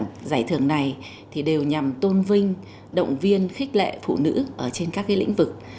thế thì tất cả các giải thưởng này thì đều nhằm tôn vinh động viên khích lệ phụ nữ ở trên các lĩnh vực